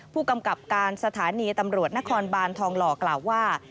ผู้กำกับการสถานีตำรวจนครบานทองหล่อกล่าวว่า